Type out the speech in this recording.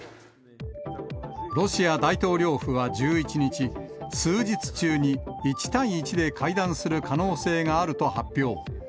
ロシア大統領府は１１日、数日中に１対１で会談する可能性があると発表。